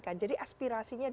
karena kita harus mementingkan